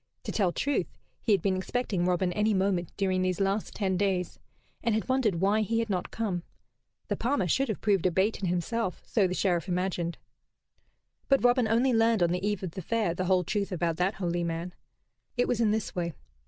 To tell truth, he had been expecting Robin any moment during these last ten days, and had wondered why he had not come. The palmer should have proved a bait in himself, so the Sheriff imagined. But Robin only learned on the eve of the Fair the whole truth about that holy man. It was in this way.